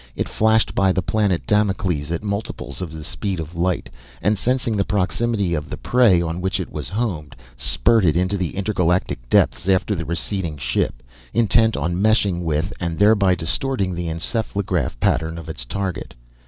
It flashed by the planet Damocles at multiples of the speed of light, and sensing the proximity of the prey on which it was homed, spurted into the intergalactic depths after the receding ship, intent on meshing with and thereby distorting the encephalograph pattern of its target.